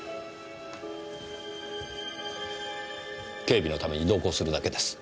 警備のために同行するだけです。